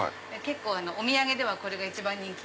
お土産ではこれが一番人気。